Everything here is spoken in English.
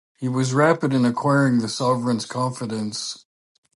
He was rapid in acquiring the sovereign's confidence.